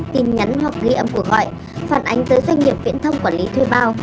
tin nhắn hoặc ghi âm cụ gọi phản ánh tới doanh nghiệp viễn thông quản lý thuê bao